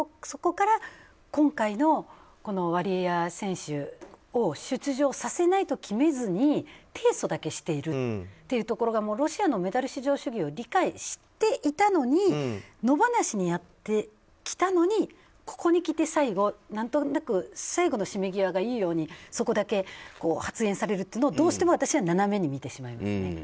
そこから今回のワリエワ選手を出場させないと決めずに提訴だけしているというところがロシアのメダル至上主義を理解していたのに野放しにしてきたのにここにきて最後、何となく最後の締め際がいいようにそこだけ発言されるというのを私はどうしても斜めに見てしまいますね。